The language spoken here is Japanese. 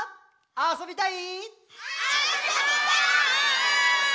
あそびたい！